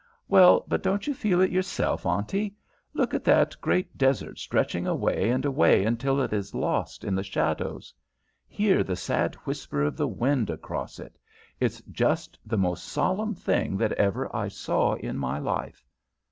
"Well, but don't you feel it yourself, Auntie? Look at that great desert stretching away and away until it is lost in the shadows. Hear the sad whisper of the wind across it! It's just the most solemn thing that ever I saw in my life."